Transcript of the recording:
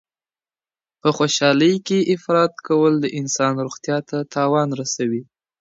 په خوشحالۍ کي افراط کول د انسان روغتیا ته تاوان رسوي.